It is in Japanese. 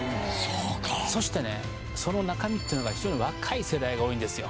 そうかそしてねその中身っていうのが非常に若い世代が多いんですよ